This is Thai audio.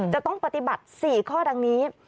จะต้องปฏิบัติ๔ข้อดังนี้